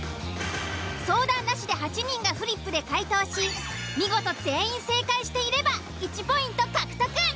相談なしで８人がフリップで解答し見事全員正解していれば１ポイント獲得。